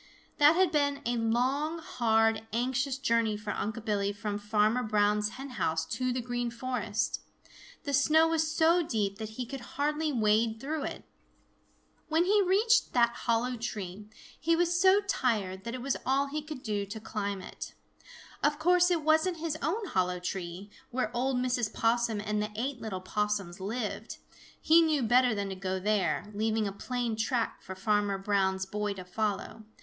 That had been a long, hard, anxious journey for Unc' Billy from Farmer Brown's hen house to the Green Forest. The snow was so deep that he could hardly wade through it. When he reached that hollow tree, he was so tired that it was all he could do to climb it. Of course it wasn't his own hollow tree, where old Mrs. Possum and the eight little Possums lived. He knew better than to go there, leaving a plain track for Farmer Brown's boy to follow.